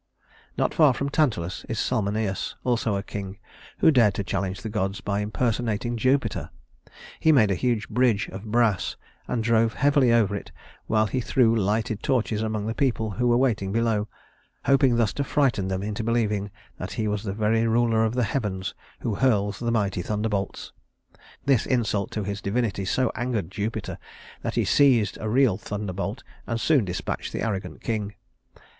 Not far from Tantalus is Salmoneus, also a king, who dared to challenge the gods by impersonating Jupiter. He made a huge bridge of brass, and drove heavily over it while he threw lighted torches among the people who were waiting below, hoping thus to frighten them into believing that he was the very ruler of the heavens who hurls the mighty thunderbolts. This insult to his divinity so angered Jupiter that he seized a real thunderbolt and soon dispatched the arrogant king.